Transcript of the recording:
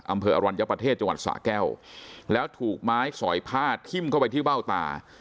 อรัญญประเทศจังหวัดสะแก้วแล้วถูกไม้สอยผ้าทิ้มเข้าไปที่เบ้าตา